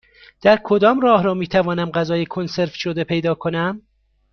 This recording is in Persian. در کدام راهرو می توانم غذای کنسرو شده پیدا کنم؟